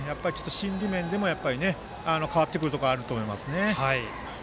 心理面でも変わってくるところがあると思いますね。